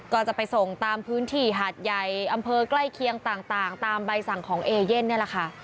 ก็จะไปส่งตามพื้นที่หาดใหญ่อำเภอใกล้เคียงต่างตามใบสั่งของเอเย่นนี่แหละค่ะ